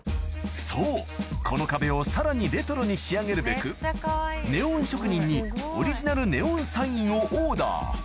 そうこの壁をさらにレトロに仕上げるべくネオン職人にオリジナルネオンサインをオーダー